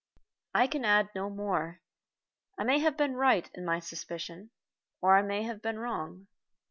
I can add no more. I may have been right in my suspicion, or I may have been wrong.